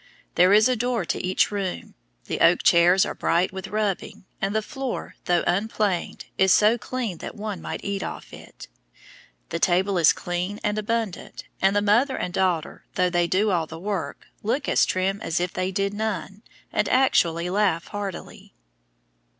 There is a door to each room, the oak chairs are bright with rubbing, and the floor, though unplaned, is so clean that one might eat off it. The table is clean and abundant, and the mother and daughter, though they do all the work, look as trim as if they did none, and actually laugh heartily.